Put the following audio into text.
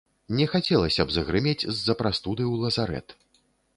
Не хацелася б загрымець з-за прастуды ў лазарэт.